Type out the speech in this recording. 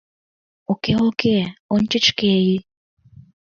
Уке, уке, ончыч шке йӱ.